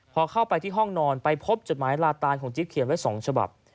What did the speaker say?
พอเข้าไปที่ห้องนอนไปพบจดหมายลาตานของจิ๊บเขียนไว้๒ฉบับ